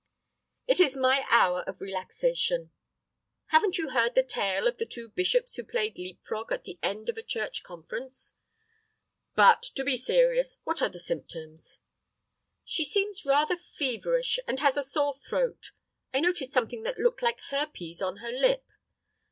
"It is my hour of relaxation. Haven't you heard the tale of the two bishops who played leap frog at the end of a church conference. But, to be serious, what are the symptoms?" "She seems rather feverish and has a sore throat. I noticed something that looked like herpes on her lip."